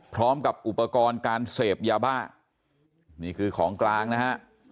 พร้อมกับอุปกรณ์การเสพยาบ้านี่คือของกลางนะฮะ